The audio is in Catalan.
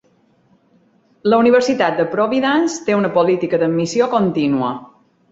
La Universitat de Providence té una política d'admissió continua.